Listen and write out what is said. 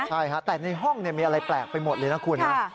ใช่ฮะแต่ในห้องมีอะไรแปลกไปหมดเลยนะคุณนะ